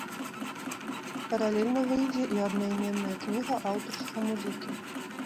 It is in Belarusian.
Паралельна выйдзе і аднайменная кніга аўтарства музыкі.